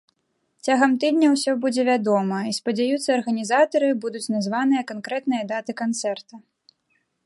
Цягам тыдня ўсё будзе вядома і, спадзяюцца арганізатары, будуць названыя канкрэтныя даты канцэрта.